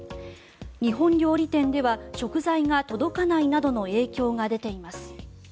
日本料理店では食材が届かないなどの影響が出ています。